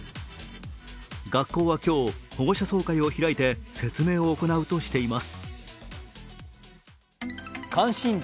学校は今日、保護者総会を開いて説明を行うとしています。